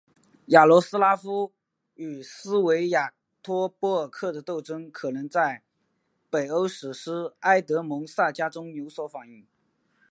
雅罗斯拉夫与斯维亚托波尔克的斗争可能在北欧史诗埃德蒙萨迦中有所反映。